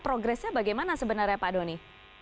progresnya bagaimana sebenarnya pak doni